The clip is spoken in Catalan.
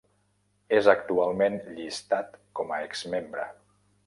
És actualment llistat com a exmembre.